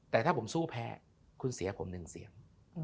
แต่ถ้าผมสู้แพ้คุณเสียผมหนึ่งเสียง